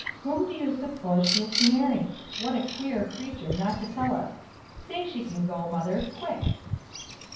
Whom do you suppose she is to marry? What a queer creature, not to tell us. Say she can go, mother quick!"